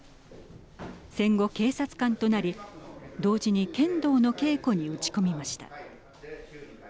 戦後、警察官となり同時に剣道の稽古に打ち込みました。